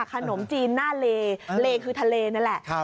ขนมจีนหน้าเลเลคือทะเลนั่นแหละ